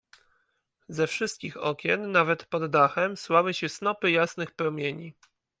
"Ze wszystkich okien, nawet pod dachem, słały się snopy jasnych promieni."